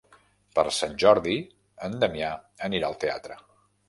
Per Sant Jordi en Damià anirà al teatre.